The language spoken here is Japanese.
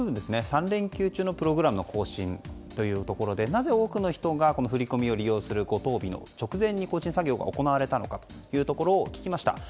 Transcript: ３連休中のプログラムの更新というところでなぜ多くの人がこの振り込みを利用する５・１０日の直前に更新作業が行われたのかを聞きました。